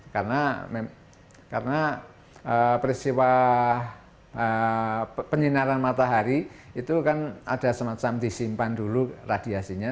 karena peristiwa penyinaran matahari itu kan ada semacam disimpan dulu radiasinya